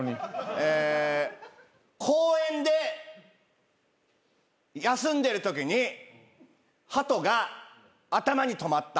え公園で休んでるときにハトが頭に止まった。